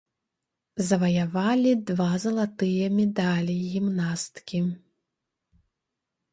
Заваявалі два залатыя медалі гімнасткі.